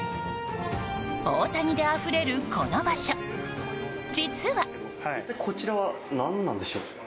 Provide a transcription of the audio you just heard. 大谷であふれるこの場所実は。